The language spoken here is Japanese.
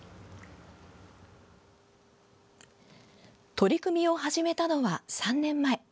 取り組みを始めたのは３年前。